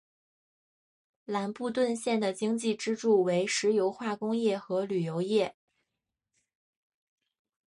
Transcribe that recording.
兰布顿县的经济支柱为石油化工业和旅游业。